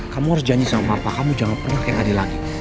kamu harus janji sama papa kamu jangan pernah kayak adi lagi